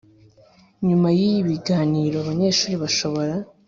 Nyuma y ibi biganiro abanyeshuri bashobora